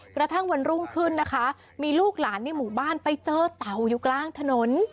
กระทั่งวันรุ่งขึ้นนะคะมีลูกหลานในหมู่บ้านไปเจอเต่าอยู่กลางถนน